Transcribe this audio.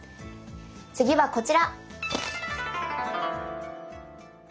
次はこちら。